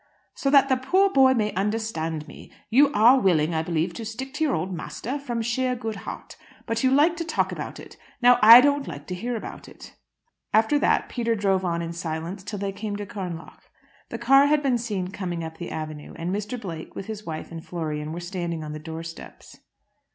"So that the poor boy may understand me. You are willing, I believe, to stick to your old master, from sheer good heart. But you like to talk about it. Now I don't like to hear about it." After that Peter drove on in silence till they came to Carnlough. The car had been seen coming up the avenue, and Mr. Blake, with his wife and Florian, were standing on the door steps.